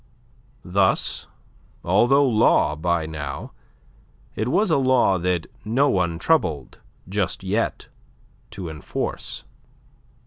Thus, although law by now, it was a law that no one troubled just yet to enforce.